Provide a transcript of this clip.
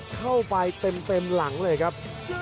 เข้าไปเต็มหลังเลยครับ